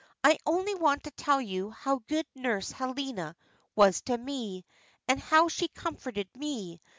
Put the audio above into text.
"I only want to tell you how good Nurse Helena was to me, and how she comforted me.